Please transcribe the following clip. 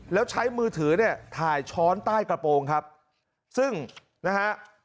แล้วใช้มือถือเนี่ยถ่ายช้อนใต้กระโปรงครับซึ่งนะฮะ